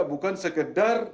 bukan sekedar pakaian